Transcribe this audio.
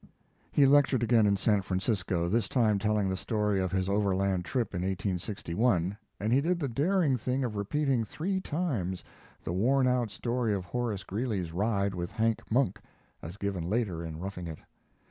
He lectured again in San Francisco, this time telling the story of his Overland trip in 1861, and he did the daring thing of repeating three times the worn out story of Horace Greeley's ride with Hank Monk, as given later in 'Roughing It'.